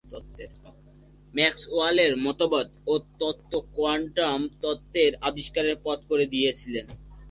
ম্যাক্সওয়েলের মতবাদ ও তত্ত্ব কোয়ান্টাম তত্ত্বের আবিষ্কারের পথ করে দিয়েছিল।